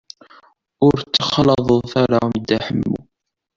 Ur ttxalaḍet ara Dda Ḥemmu.